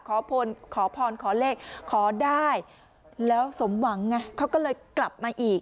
ขอพรขอเลขขอได้แล้วสมหวังไงเขาก็เลยกลับมาอีก